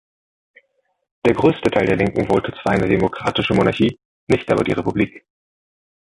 Der größte Teil der Linken wollte zwar eine demokratische Monarchie, nicht aber die Republik.